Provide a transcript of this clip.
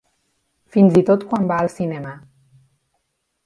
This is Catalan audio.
Fins i tot quan va al cinema.